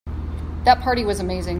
That party was amazing.